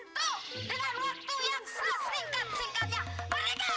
dengan waktu yang sesingkat singkatnya